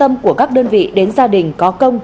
và quan tâm của các đơn vị đến gia đình có công